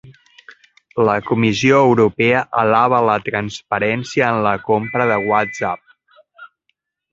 La Comissió Europea alaba la transparència en la compra de WhatsApp